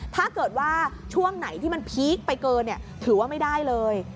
ถ้าเกิดว่าช่วงไหนที่มันพีคไปเกินถือว่าไม่ได้เลย